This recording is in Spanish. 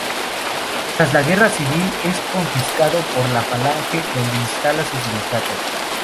Tras la Guerra Civil es confiscado por la Falange, donde instala sus sindicatos.